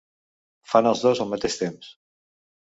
Fan els dos al mateix temps.